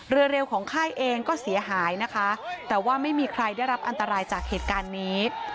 เรือเร็วของค่ายเองก็เสียหายนะคะแต่ว่าไม่มีใครได้รับอันตรายจากเหตุการณ์นี้